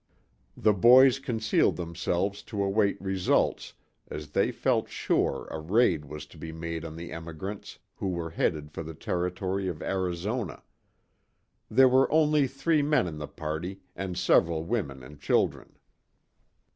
The boys concealed themselves to await results, as they felt sure a raid was to be made on the emigrants, who were headed for the Territory of Arizona. There were only three men in the party, and several women and children.